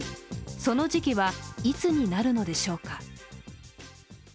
その時期はいつになるのでしょうか。